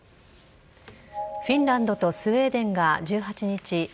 フィンランドとスウェーデンが１８日